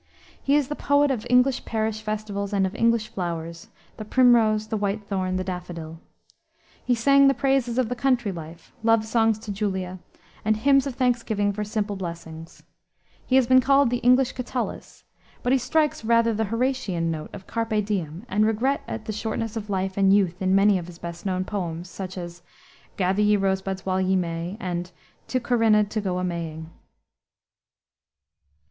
He is the poet of English parish festivals and of English flowers, the primrose, the whitethorn, the daffodil. He sang the praises of the country life, love songs to "Julia," and hymns of thanksgiving for simple blessings. He has been called the English Catullus, but he strikes rather the Horatian note of Carpe diem, and regret at the shortness of life and youth in many of his best known poems, such as Gather ye Rose buds while ye may, and To Corinna, To Go a Maying.